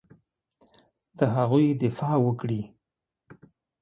د هغوی دفاع وکړي.